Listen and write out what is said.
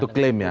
itu klaim ya